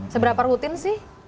seberapa rutin sih